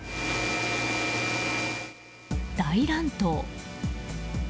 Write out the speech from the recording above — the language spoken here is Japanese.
大乱闘。